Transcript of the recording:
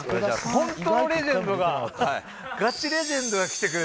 ホントのレジェンドが。